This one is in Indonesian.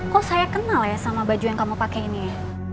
kok saya kenal ya sama baju yang kamu pakai ini